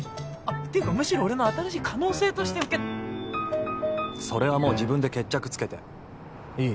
ていうかむしろ俺の新しい可能性としてうけそれはもう自分で決着つけていい？